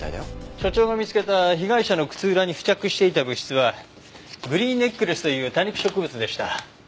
所長が見つけた被害者の靴裏に付着していた物質はグリーンネックレスという多肉植物でした。